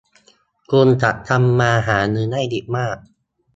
คุณจะทำมาหาเงินได้อีกมาก